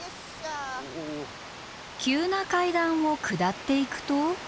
急な階段を下っていくと。